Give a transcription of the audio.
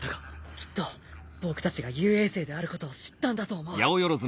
きっと僕たちが雄英生であることを知ったんだと思う。